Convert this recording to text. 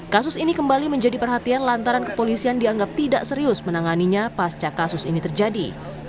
kasus ini kembali menjadi perhatian lantaran kepolisian dianggap tidak serius menanganinya pasca kasus ini terjadi